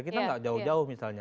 kita nggak jauh jauh misalnya